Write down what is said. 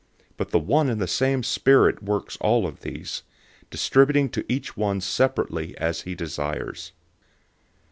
012:011 But the one and the same Spirit works all of these, distributing to each one separately as he desires.